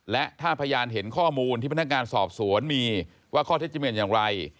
และถ้าพยานเห็นข้อมูลที่พนักงานสอบสวนมีว่าข้อเท็จจริงเป็นอย่างไร